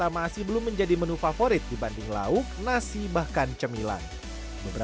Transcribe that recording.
paling seminggu dua tiga kali kali ya